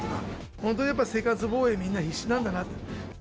本当やっぱ、生活防衛、みんな必死なんだなと。